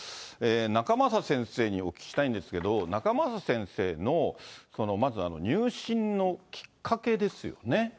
仲正先生にお聞きしたいんですけど、仲正先生のまず、入信のきっかけですよね。